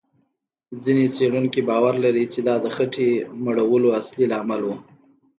ځینې څېړونکي باور لري، چې دا د خېټې مړولو اصلي لامل و.